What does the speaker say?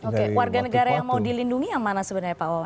warga negara yang mau dilindungi yang mana sebenarnya